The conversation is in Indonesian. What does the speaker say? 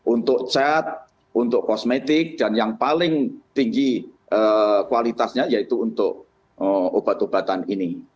untuk cat untuk kosmetik dan yang paling tinggi kualitasnya yaitu untuk obat obatan ini